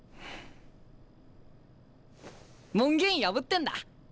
門限破ってんだ。